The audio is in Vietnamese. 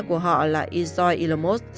của họ là isoy islomot